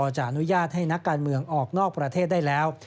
จะอนุญาตให้นักการเมืองออกนอกประเทศได้แล้ว